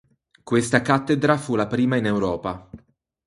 Questa cattedra fu la prima in Europa.